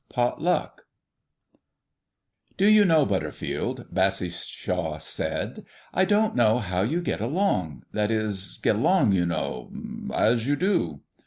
XIII POT LUCK "Do you know, Butterfield," Bassishaw said, "I don't know how you get along that is get along, you know as you do."